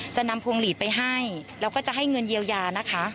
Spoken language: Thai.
นำพวงหลีดไปให้แล้วก็จะให้เงินเยียวยานะคะ